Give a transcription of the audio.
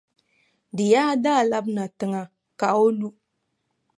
Di yaa daa labina tiŋa ka o lu.